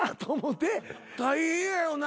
大変やよな。